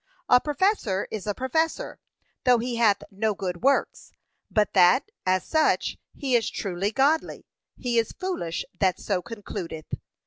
A professor is a professor, though he hath no good works; but that, as such, he is truly godly, he is foolish that so concludeth.